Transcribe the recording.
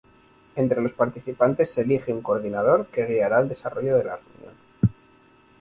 Entre los participantes se elige un coordinador, que guiará el desarrollo de la reunión.